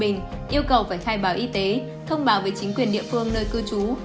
và về ninh bình yêu cầu phải khai báo y tế thông báo về chính quyền địa phương nơi cư trú